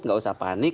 nggak usah panik